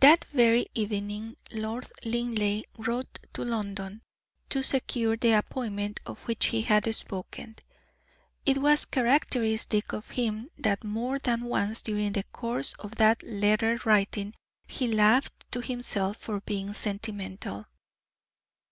That very evening Lord Linleigh wrote to London, to secure the appointment of which he had spoken. It was characteristic of him that more than once during the course of that letter writing he laughed to himself for being sentimental.